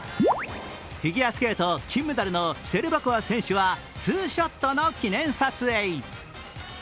フィギュアスケート金メダルのシェルバコワ選手はツーショットの記念撮影。